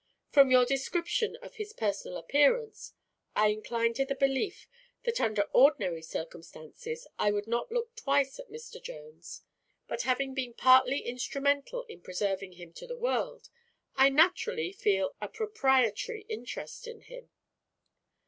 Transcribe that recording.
From your description of his personal appearance, I incline to the belief that under ordinary circumstances I would not look twice at Mr. Jones, but having been partly instrumental in preserving him to the world, I naturally feel a proprietary interest in him."